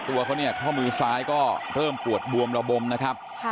เพราะเขามือซ้ายก็เริ่มปวดบวมระบมนะครับ